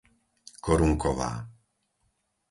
Korunková